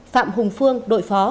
phạm hùng phương đội phó